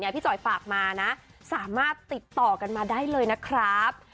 จอยฝากมานะสามารถติดต่อกันมาได้เลยนะครับ